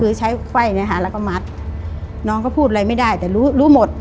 คือใช้ไขว้เนี่ยค่ะแล้วก็มัดน้องก็พูดอะไรไม่ได้แต่รู้รู้หมด